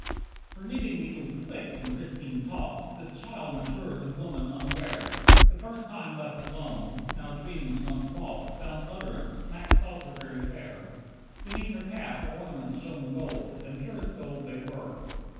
33 Her knitting needles clicked and Christine talked, This child matured to woman unaware, The first time left alone. Now dreams once balked Found utterance. Max thought her very fair. Beneath her cap her ornaments shone gold, And purest gold they were.